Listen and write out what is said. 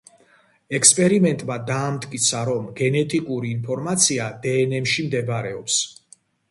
ექსპერიმენტმა დაამტკიცა, რომ გენეტიკური ინფორმაცია დნმ-ში მდებარეობს.